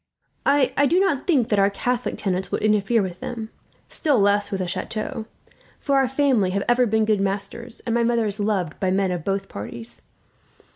I do not think that our Catholic tenants would interfere with them, still less with the chateau; for our family have ever been good masters, and my mother is loved by men of both parties.